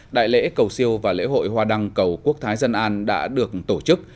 đại lễ cầu siêu và lễ hội hoa đăng cầu quốc thái dân an đã được tổ chức